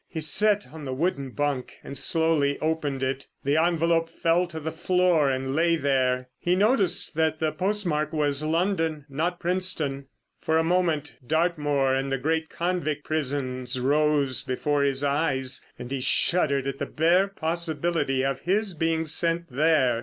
He sat on the wooden bunk and slowly opened it. The envelope fell to the floor and lay there. He noticed that the post mark was London, not Princetown. For a moment Dartmoor and the great convict prisons rose before his eyes, and he shuddered at the bare possibility of his being sent there.